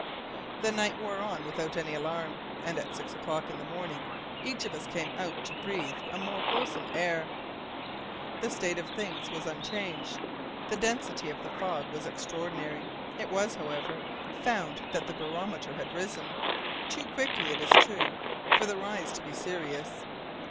The night wore on without any alarm, and at six o'clock in the morning each of us came out to breathe a more wholesome air. The state of things was unchanged, the density of the fog was extraordinary. It was, however, found that the barometer had risen, too quickly, it is true, for the rise to be serious.